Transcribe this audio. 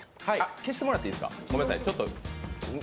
消してもらっていいですか？